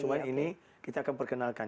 cuma ini kita akan perkenalkan